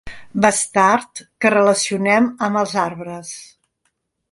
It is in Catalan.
Bastard que relacionem amb els arbres.